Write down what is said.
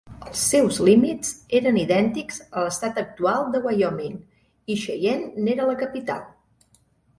Els seus límits eren idèntics a l'estat actual de Wyoming, i Cheyenne n'era la capital.